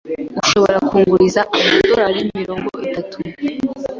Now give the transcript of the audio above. Ushobora kunguriza amadorari mirongo itatu?